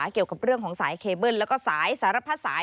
เกี่ยวกับเรื่องของสายเคเบิ้ลแล้วก็สายสารพัดสาย